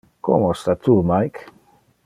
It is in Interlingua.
Como sta tu, Mike?